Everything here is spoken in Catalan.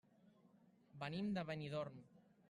Venim de Benidorm.